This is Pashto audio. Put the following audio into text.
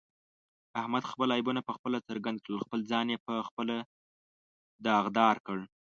احمد خپل عیبونه په خپله څرګند کړل، خپل ځان یې په خپله داغدارکړ.